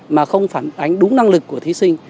mà không phản ánh đúng năng lực của thí sinh